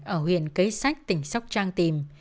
ở huyện cấy sách tỉnh sóc trang tìm